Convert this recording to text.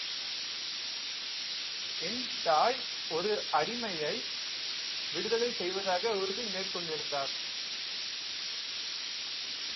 என் தாய் ஒரு அடிமையை விடுதலை செய்வதாக உறுதி மேற்கொண்டிருந்தார்.